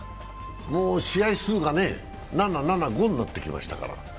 もう試合数が７、７、５になってきましたから。